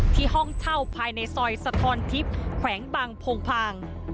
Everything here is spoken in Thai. ห้องเช่าภายในซอยสะทอนทิพย์แขวงบางโพงพาง